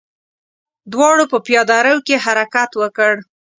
دواړو په پياده رو کې حرکت وکړ.